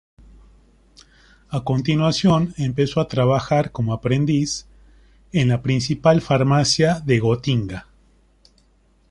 A continuación empezó a trabajar como aprendiz en la principal farmacia de Gotinga.